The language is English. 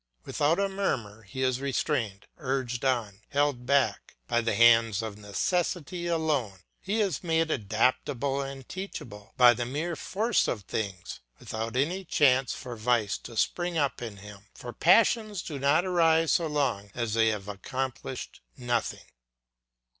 Without a murmur he is restrained, urged on, held back, by the hands of necessity alone; he is made adaptable and teachable by the mere force of things, without any chance for vice to spring up in him; for passions do not arise so long as they have accomplished nothing.